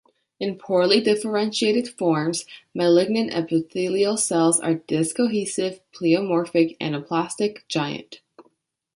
In poorly differentiated forms, malignant epithelial cells are discohesive, pleomorphic, anaplastic, giant.